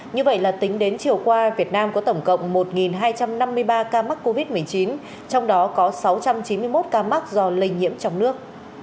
như vậy là tính đến chiều qua việt nam có tổng cộng một hai trăm năm mươi ba ca mắc covid một mươi chín trong đó có sáu trăm chín mươi một ca mắc do lây nhiễm trong nước